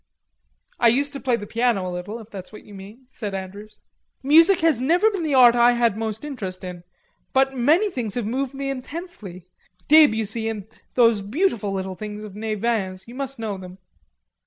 "I used to play the piano a little, if that's what you mean," said Andrews. "Music has never been the art I had most interest in. But many things have moved me intensely.... Debussy and those beautiful little things of Nevin's. You must know them....